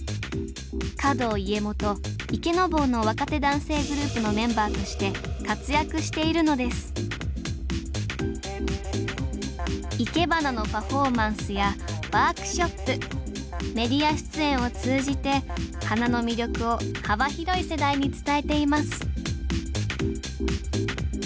華道家元「池坊」の若手男性グループのメンバーとして活躍しているのですいけばなのパフォーマンスやワークショップメディア出演を通じて花の魅力を幅広い世代に伝えています